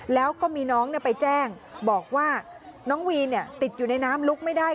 แล้วก็มีน้องไปแจ้งบอกว่าน้องวีนติดอยู่ในน้ำลุกไม่ได้